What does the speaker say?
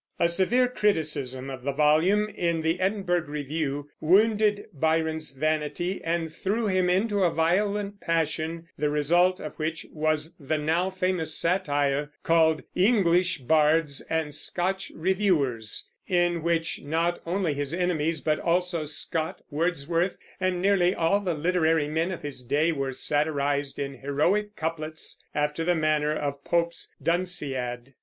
A severe criticism of the volume in the Edinburgh Review wounded Byron's vanity, and threw him into a violent passion, the result of which was the now famous satire called English Bards and Scotch Reviewers, in which not only his enemies, but also Scott, Wordsworth, and nearly all the literary men of his day, were satirized in heroic couplets after the manner of Pope's Dunciad.